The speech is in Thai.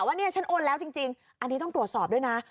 ว่าเนี่ยฉันโอนแล้วจริงอันนี้ต้องตรวจสอบด้วยนะ